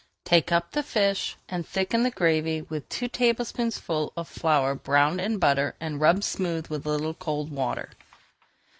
Take up the fish and thicken the gravy with two tablespoonfuls of flour browned in butter and rubbed smooth with a little cold water.